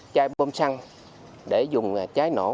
chai bơm xăng để dùng chai nổ